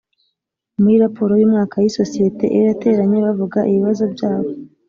muri raporo y umwaka y isosiyete Iyo yateranye bavuga ibibazo byabo